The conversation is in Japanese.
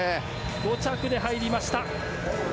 ５着で入りました。